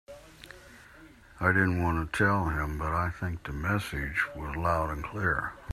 I didn't want to tell him, but I think the message was loud and clear.